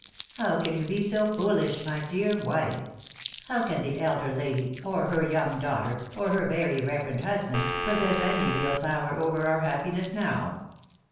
How can you be so foolish, my dear wife? How can the elder lady, or her young daughter, or her very reverend husband, possess any real power over our happiness now?